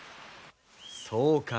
そうか。